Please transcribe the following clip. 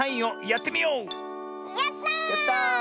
やった！